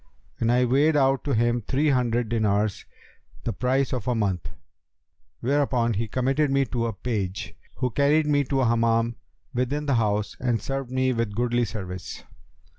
And I weighed out to him three hundred dinars, the price of a month; whereupon he committed me to a page, who carried me to a Hammam within the house and served me with goodly service.